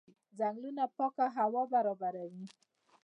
ځنګلونه پاکه هوا برابروي.